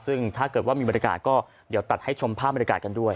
ซึ่งถ้าเกิดว่ามีบรรยากาศก็เดี๋ยวตัดให้ชมภาพบรรยากาศกันด้วย